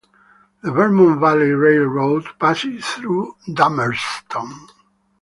The Vermont Valley Railroad passed through Dummerston.